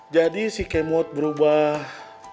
jadi si kemot berubah